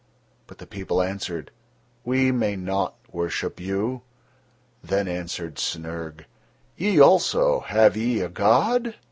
But the people answered: "We may not worship you." Then answered Snyrg: "Ye also, have ye a god?"